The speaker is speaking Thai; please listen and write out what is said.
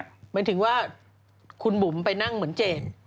หมายถึงว่าคุณบุ๋มไปนั่งเหมือนเจน